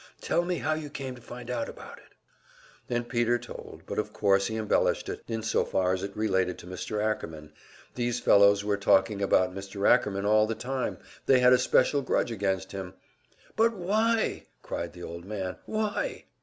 Tell me how you came to find out about it." And Peter told; but of course he embellished it, in so far as it related to Mr. Ackerman these fellows were talking about Mr. Ackerman all the time, they had a special grudge against him. "But why?" cried the old man. "Why?"